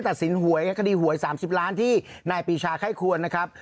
ตัดสินหวยคดีหวย๓๐ล้านที่นายปีชาไข้ควรนะครับ